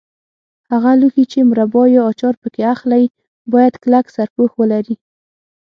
هغه لوښي چې مربا یا اچار پکې اخلئ باید کلک سرپوښ ولري.